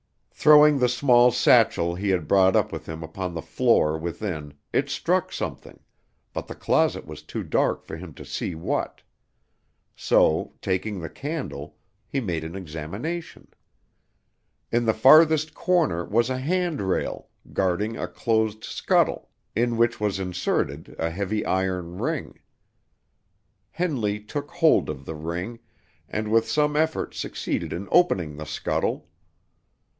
Throwing the small satchel he had brought up with him upon the floor within, it struck something, but the closet was too dark for him to see what; so, taking the candle, he made an examination. In the farthest corner was a hand rail, guarding a closed scuttle, in which was inserted a heavy iron ring. Henley took hold of the ring, and with some effort succeeded in opening the scuttle.